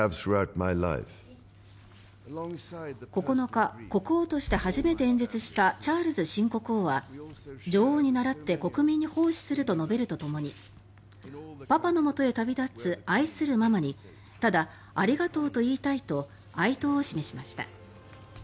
９日、国王として初めて演説したチャールズ新国王は女王に倣って国民に奉仕すると述べるとともにパパのもとへ旅立つ愛するママにただ、ありがとうと言いたいと哀悼を示しました。